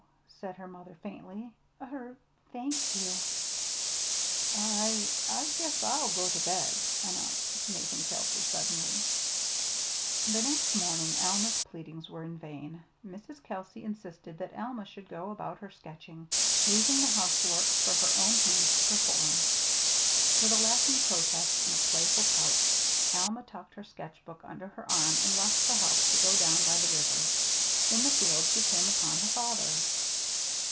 said her mother faintly. "Er thank you." "I I guess I'll go to bed," announced Nathan Kelsey suddenly. The next morning Alma's pleadings were in vain. Mrs. Kelsey insisted that Alma should go about her sketching, leaving the housework for her own hands to perform. With a laughing protest and a playful pout, Alma tucked her sketchbook under her arm and left the house to go down by the river. In the field she came upon her father.